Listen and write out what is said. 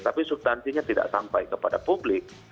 tapi subtansinya tidak sampai kepada publik